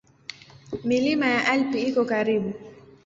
Milima ya Alpi iko karibu.